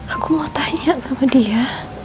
aku mau tanya sama dia